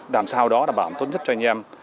làm sao đó đảm bảo tốt nhất cho anh em